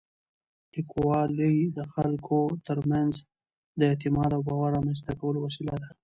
لیکوالی د خلکو تر منځ د اعتماد او باور رامنځته کولو وسیله ده.